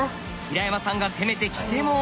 平山さんが攻めてきても。